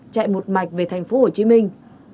chạy một mạch về thành phố hồ chí minh